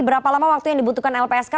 berapa lama waktu yang dibutuhkan lpsk